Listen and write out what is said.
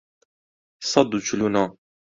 سەد و چل و نۆ